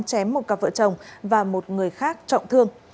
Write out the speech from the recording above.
chém một cặp vợ chồng và một người khác trọng thương